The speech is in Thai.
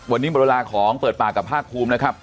วันนี้หมดเวลาของเปิดปากกับภาคภูมินะครับ